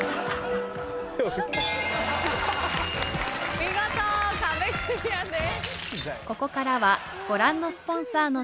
見事壁クリアです。